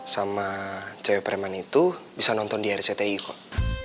sama cewek preman itu bisa nonton di rcti kok